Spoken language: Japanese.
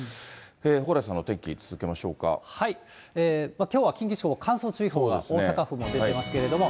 蓬莱さんのお天気、続けましょうきょうは近畿地方も乾燥注意報が大阪府も出てますけども。